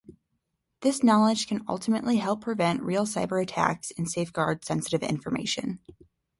This knowledge can ultimately help prevent real cyber-attacks and safeguard sensitive information.